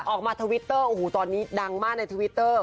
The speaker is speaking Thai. ทวิตเตอร์โอ้โหตอนนี้ดังมากในทวิตเตอร์